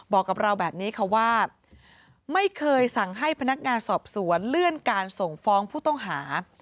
บอกกับเราแบบนี้ค่ะว่าไม่เคยสั่งให้พนักงานสอบสวนเลื่อนการส่งฟ้องผู้ต้องหา